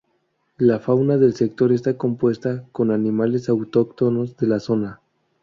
La fauna del sector está compuesta con animales autóctonos de la zona.